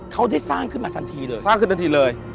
เขาได้สร้างขึ้นมาทันทีเลย